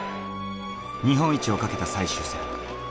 日本一を懸けた最終戦。